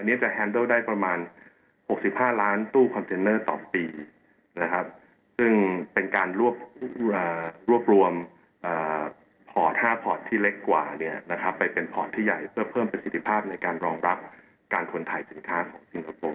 จะแฮนเดิลได้ประมาณ๖๕ล้านตู้คอนเทนเนอร์ต่อปีนะครับซึ่งเป็นการรวบรวมพอร์ต๕พอร์ตที่เล็กกว่าเนี่ยนะครับไปเป็นพอร์ตที่ใหญ่เพื่อเพิ่มประสิทธิภาพในการรองรับการขนถ่ายสินค้าของสิงคโปร์